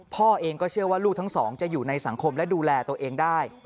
พ่อเองก็เชื่อว่าลูกทั้งสองจะอยู่ในสังคมและดูแลตัวเองได้